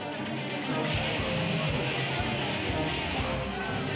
เสริมหักทิ้งลงไปครับรอบเย็นมากครับ